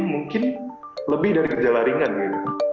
mungkin lebih dari gejala ringan gitu